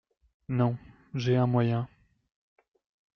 Non… j’ai un moyen…